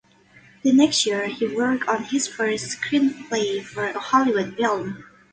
The next year he worked on his first screenplay for a Hollywood film.